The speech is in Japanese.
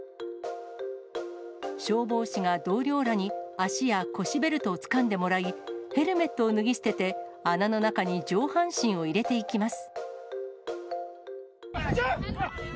消防士が同僚らに、足や腰ベルトをつかんでもらい、ヘルメットを脱ぎ捨てて、穴の中に上半身を入れていきます。